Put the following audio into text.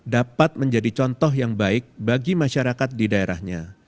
dapat menjadi contoh yang baik bagi masyarakat di daerahnya